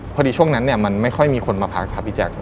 พอดีช่วงนั้นมันไม่ค่อยมีคนมาพักครับอีจักร